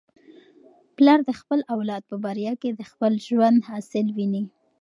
پلار د خپل اولاد په بریا کي د خپل ژوند حاصل ویني.